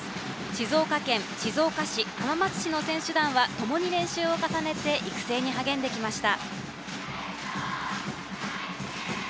静岡県、静岡市、浜松市の選手団はともに練習を重ねて育成に励んできました。